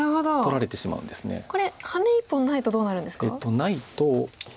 ないと。